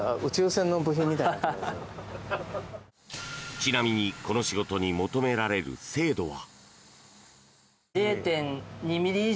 ちなみにこの仕事に求められる精度は。